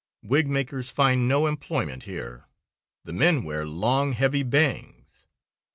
Wigmakers find no employment here. The men wear long, heavy bangs.